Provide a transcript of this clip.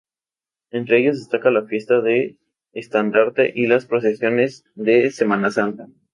Entre ellos destaca la Fiesta del Estandarte y las procesiones de Semana Santa.